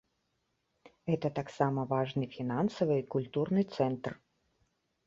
Гэта таксама важны фінансавы і культурны цэнтр.